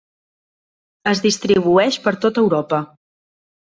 Es distribueix per tot Europa.